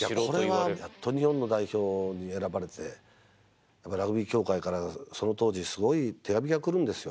いやこれはやっと日本の代表に選ばれてラグビー協会からその当時すごい手紙が来るんですよ。